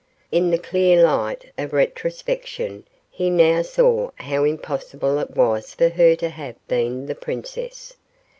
In the clear light of retrospection he now saw how impossible it was for her to have been the princess.